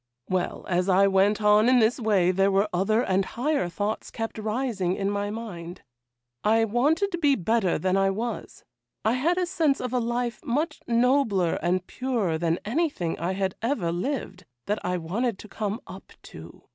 'Well, as I went on in this way there were other and higher thoughts kept rising in my mind. I wanted to be better than I was; I had a sense of a life much nobler and purer than anything I had ever lived, that I wanted to come up to.